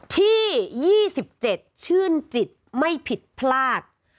ที่๒๗ชื่นจิตไม่ผิดพลาด